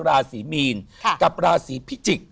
ราศีมีนกับราศีพิจิกษ